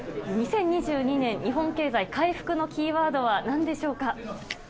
２０２２年日本経済回復のキーワードはなんでしょうか。